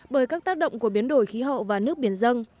bởi các tác động của biến đổi khí hậu và nước biển dân